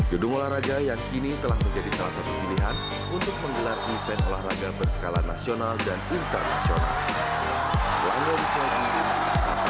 gedung olahraga yang kini telah menjadi salah satu pilihan untuk menggelar event olahraga berskala nasional dan internasional